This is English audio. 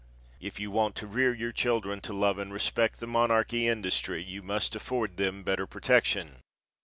If you want to rear your children to love and respect the monarchy industry you must afford them better protection.